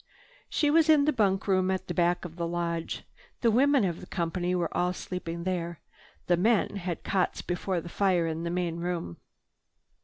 She was in the bunk room at the back of the lodge. The women of the company were all sleeping there. The men had cots before the fire in the main room.